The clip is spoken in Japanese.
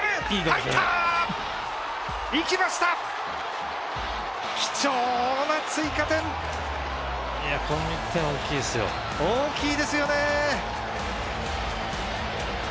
大きいですよね。